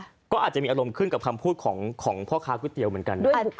ก็อาจจะมีอารมณ์ขึ้นกับคำพูดของพ่อค้าก๋วยเตี๋ยวเหมือนกัน